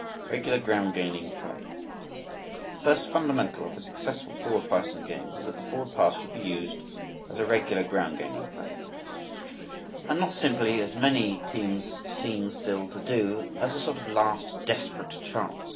REGULAR GROUND GAINING PLAY. The first fundamental of a successful forward passing game is that the forward pass should be used as a regular ground gaining play and not simply, as so many teams seem still to do, as a sort of last desperate chance.